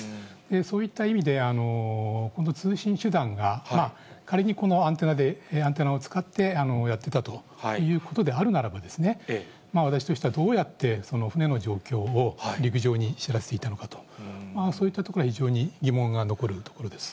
そういった意味で、この通信手段が、仮にこのアンテナで、アンテナを使って、やってたということであるならば、私としては、どうやってその船の状況を、陸上に知らせていたのかと、そういったところが非常に疑問が残るところです。